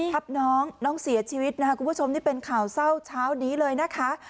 ทับน้องน้องเสียชีวิตนะคะคุณผู้ชมนี่เป็นข่าวเศร้าเช้านี้เลยนะคะ